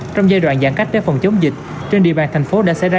trong giai đoạn giãn cách để phòng chống dịch trên địa bàn thành phố đã xảy ra